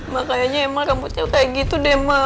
mak kayaknya emang rambutnya kayak gitu deh mak